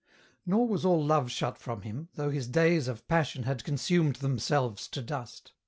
Nor was all love shut from him, though his days Of passion had consumed themselves to dust.